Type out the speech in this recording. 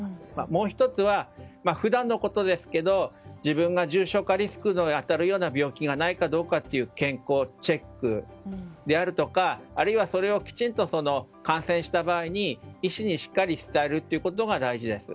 もう１つは、普段のことですが自分に重症化リスクに当たるような病気がないかという健康チェックであるとかあるいは、それをきちっと感染した場合に、医師にしっかり伝えるということが大事です。